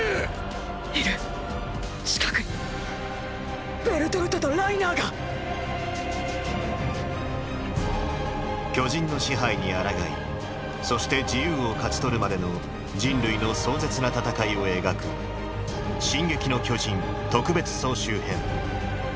いる近くにベルトルトとライナーが巨人の支配に抗いそして自由を勝ち取るまでの人類の壮絶な戦いを描く「進撃の巨人特別総集編」。